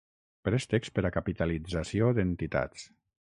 Préstecs per a capitalització d'entitats.